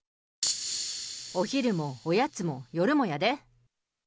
お昼もおやつも夜もやで。